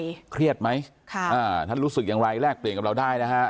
ก็ไลน์มาไวเครียดไหมท่านรู้สึกอย่างไรแรกเปลี่ยนกับเราได้นะฮะ